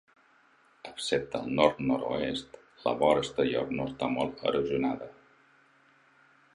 Excepte al nord-nord-oest, la vora exterior no està molt erosionada.